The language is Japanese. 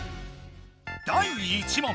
第１問。